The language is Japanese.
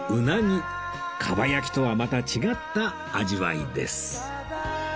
かば焼きとはまた違った味わいです